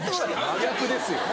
真逆ですよ。